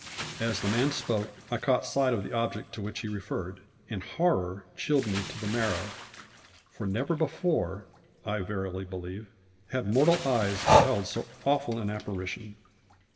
As the man spoke I caught sight of the object to which he referred and horror chilled me to the marrow; for never before, I verily believe, had mortal eyes beheld so awful an apparition.